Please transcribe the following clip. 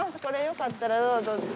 これよかったらどうぞ。